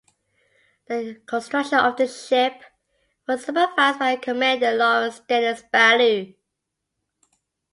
The construction of the ship was supervised by Commander Lawrence Dennis Ballou.